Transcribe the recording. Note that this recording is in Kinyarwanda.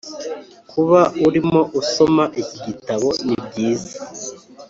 Kuba urimo usoma iki gitabo nibyiza